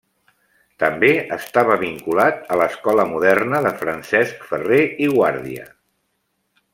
També estava vinculat a l'Escola Moderna de Francesc Ferrer i Guàrdia.